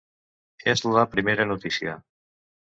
És la primera notícia!